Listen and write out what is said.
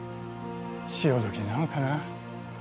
潮時なのかな